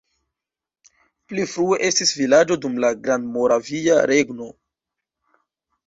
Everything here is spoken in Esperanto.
Pli frue estis vilaĝo dum la Grandmoravia Regno.